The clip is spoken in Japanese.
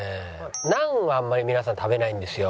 ナンはあんまり皆さん食べないんですよ。